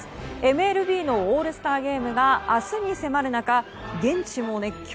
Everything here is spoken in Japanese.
ＭＬＢのオールスターゲームが明日に迫る中、現地も熱狂。